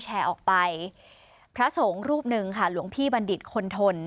แชร์ออกไปพระสงฆ์รูปหนึ่งค่ะหลวงพี่บัณฑิตคนทน